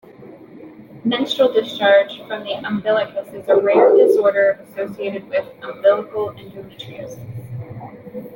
Menstrual discharge from the umbilicus is a rare disorder associated with umbilical endometriosis.